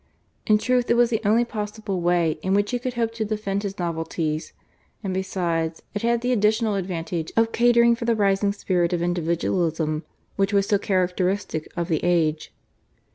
In truth it was the only possible way in which he could hope to defend his novelties, and besides, it had the additional advantage of catering for the rising spirit of individualism, which was so characteristic of the age.